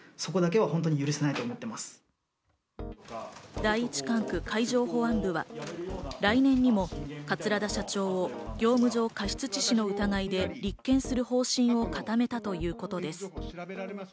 第一管区海上保安本部は、来年にも桂田社長を業務上過失致死の疑いで立件する方針を固めたということです。